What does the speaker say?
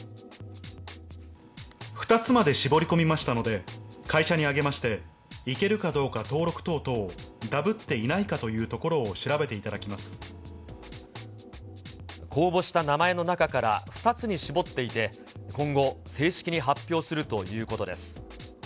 ２つまで絞り込みましたので、会社にあげまして、いけるかどうか登録等々、ダブっていないかと公募した名前の中から２つに絞っていて、今後、正式に発表するということです。